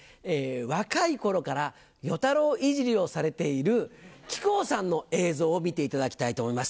若い頃から与太郎いじりをされている木久扇さんの映像を見ていただきたいと思います。